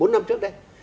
bốn năm trước đây